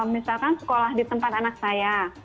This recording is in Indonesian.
misalkan sekolah di tempat anak saya